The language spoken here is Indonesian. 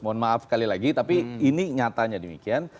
mohon maaf sekali lagi tapi ini nyatanya demikian